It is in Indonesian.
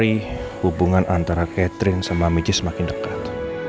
setelah hari hubungan antara catherine sama mijis makin dekat